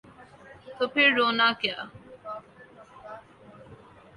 تو پھر رونا کیا؟